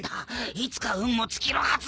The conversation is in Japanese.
いつか運も尽きるはず。